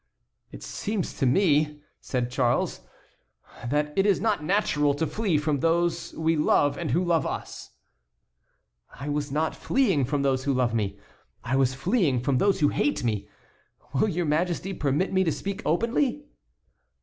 "It seems to me," said Charles, "that it is not natural to flee from those we love and who love us." "I was not fleeing from those who love me; I was fleeing from those who hate me. Will your Majesty permit me to speak openly?"